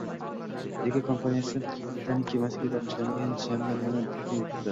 Lego kompaniyasi Titanik kemasiga bag‘ishlangan jamlanmani taqdim qildi